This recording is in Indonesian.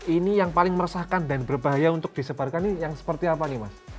ini yang paling meresahkan dan berbahaya untuk disebarkan ini yang seperti apa nih mas